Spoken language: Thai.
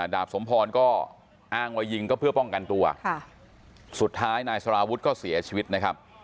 ดาบสมพรก็อ้างว่ายิงก็เพื่อป้องกันตัวสุดท้ายนายสารวุฒิก็เสียชีวิตนะครับ